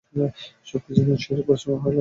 সবকিছুই দিনশেষে পণ্ডশ্রমই হলো।